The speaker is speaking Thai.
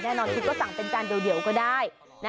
แน่นอนคุณก็สั่งเป็นจานเดียวก็ได้